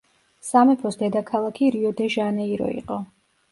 სამეფოს დედაქალაქი რიო-დე-ჟანეირო იყო.